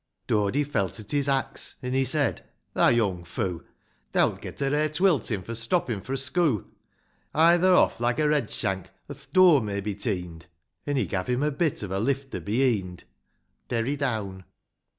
VIII. Dody felt at his axe, — an' he said, "Thou young foo'; Thou'lt get a rare twiltin' for stoppin' fro' schoo' ; Hie tho' off, like a red shank, or th' dur may be teen'd :' An' he gav' him a bit of a lifter beheend. Derry down.